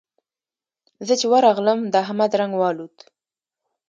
زه چې ورغلم؛ د احمد رنګ والوت.